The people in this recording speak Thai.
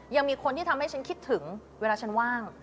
ยังมีคนที่ทำให้ฉันคิดถึงเวลาฉันว่าง